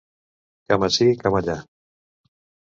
Cama ací, cama allà.